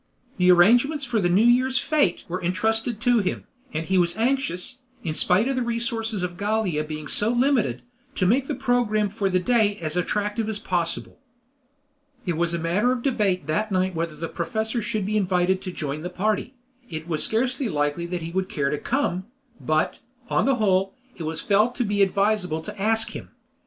The arrangements for the New Year fete were entrusted to him, and he was anxious, in spite of the resources of Gallia being so limited, to make the program for the great day as attractive as possible. It was a matter of debate that night whether the professor should be invited to join the party; it was scarcely likely that he would care to come, but, on the whole, it was felt to be advisable to ask him.